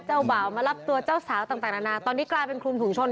บ่าวมารับตัวเจ้าสาวต่างนานาตอนนี้กลายเป็นคลุมถุงชน